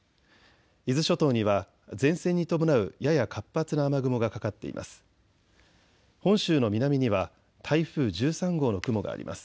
伊豆諸島には前線に伴うやや活発な雨雲がかかっています。